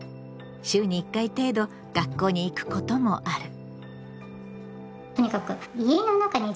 週に１回程度学校に行くこともある。